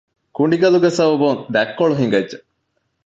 ކުނޑިގަލުގެ ސަބަބުން ދަތްކޮޅު ހިނގައްޖެ